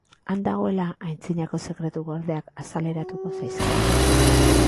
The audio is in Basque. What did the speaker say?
Han dagoela, antzinako sekretu gordeak azaleratuko zaizkio.